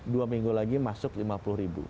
dua minggu lagi masuk lima puluh ribu